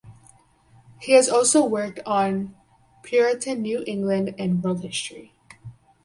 He has also worked on Puritan New England and World History.